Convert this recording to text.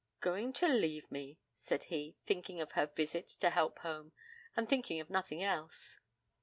'Going to leave me,' said he, thinking of her visit to Helpholme, and thinking of nothing else.